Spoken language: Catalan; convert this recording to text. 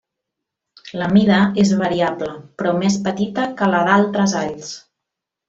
La mida és variable, però més petita que la d'altres alls.